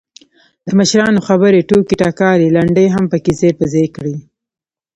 دمشرانو خبرې، ټوکې ټکالې، لنډۍ هم پکې ځاى په ځاى کړي.